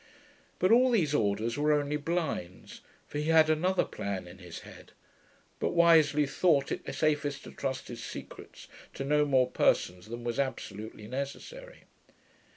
But all these orders were only blinds; for he had another plan in his head, but wisely thought it safest to trust his secrets to no more persons than was absolutely necessary.